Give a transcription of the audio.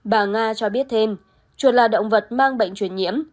bà nga cho biết thêm chuột là động vật mang bệnh truyền nhiễm